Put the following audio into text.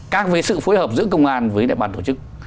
càng về sự phối hợp giữa công an với đại bản tổ chức